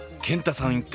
健太さん